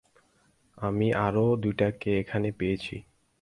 আমি আরো দুইটাকে এখানে পেয়েছি!